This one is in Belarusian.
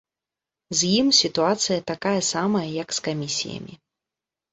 З ім сітуацыя такая самая, як з камісіямі.